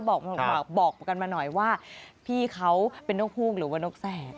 บอกกันมาหน่อยว่าพี่เขาเป็นนกฮูกหรือว่านกแสก